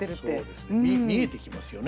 見えてきますよね。